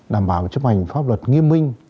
đảm bảo chấp hành pháp luật nghiêm minh